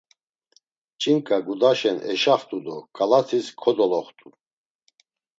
Ç̌inǩa gudaşen eşaxtu do ǩalatis kodoloxtu.